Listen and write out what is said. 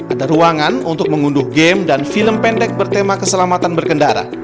ada ruangan untuk mengunduh game dan film pendek bertema keselamatan berkendara